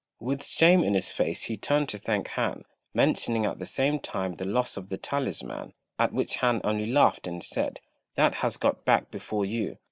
With shame in his face he turned to thank Han, mentioning at the same time the loss of the talisman; at which Han only laughed, and said, "That has got back before you.